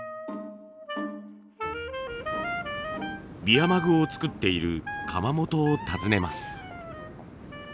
ビアマグを作っている窯元を訪ねます。